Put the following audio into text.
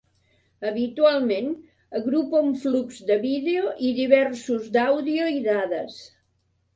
Habitualment, agrupa un flux de vídeo i diversos d'àudio i dades.